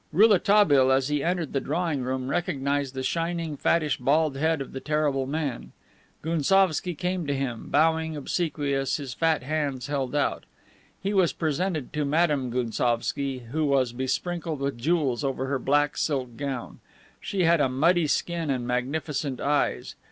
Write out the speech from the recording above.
Rouletabille as he entered the drawing room recognized the shining, fattish bald head of the terrible man. Gounsovski came to him, bowing, obsequious, his fat hands held out. He was presented to Madame Gounsovski, who was besprinkled with jewels over her black silk gown. She had a muddy skin and magnificent eyes.